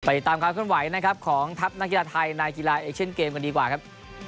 ตามความขึ้นไหวนะครับของทัพนักกีฬาไทยในกีฬาเอเชียนเกมกันดีกว่าครับ